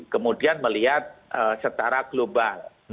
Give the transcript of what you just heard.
kemudian melihat setara global